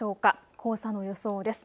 黄砂の予想です。